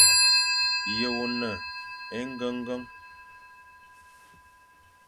Ye one engengen?